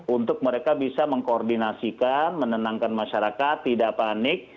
untuk mereka bisa mengkoordinasikan menenangkan masyarakat tidak panik